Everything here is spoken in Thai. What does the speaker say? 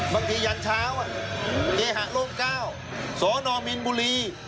บางทียันเท้ามีเกห่าโรงก้าวสอนอมินบุรี